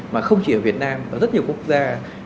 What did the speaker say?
mà không chỉ ở việt nam và rất nhiều quốc gia